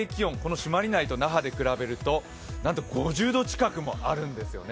朱鞠内と那覇で比べるとなんと５０度近くもあるんですよね。